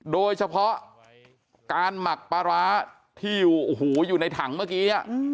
โดยเฉพาะการหมักปลาร้าที่อยู่ในถังเมื่อกี้